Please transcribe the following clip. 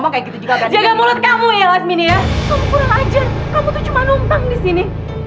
kamu tuh cuma numpang disini